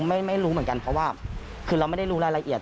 ไม่รู้เหมือนกันเพราะว่าคือเราไม่ได้รู้รายละเอียด